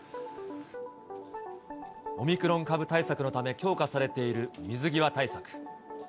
オミクロン株対策のため、強化されている水際対策。